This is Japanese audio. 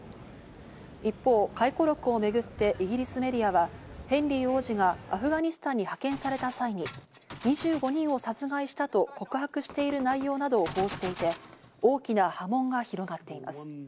一方、回顧録をめぐってイギリスメディアは、ヘンリー王子がアフガニスタンに派遣された際に２５人を殺害したと告白してる内容などを報じていて、大きな波紋が広がっています。